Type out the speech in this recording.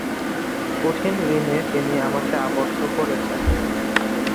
কঠিন ঋণে তিনি আমাকে আবদ্ধ করেছেন।